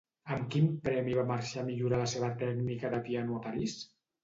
Amb quin premi va marxar a millorar la seva tècnica de piano a París?